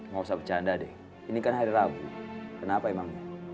gak usah bercanda deh ini kan hari rabu kenapa emang